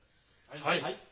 はい！